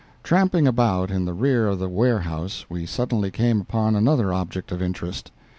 Tramping about in the rear of the warehouse, we suddenly came upon another object of interest.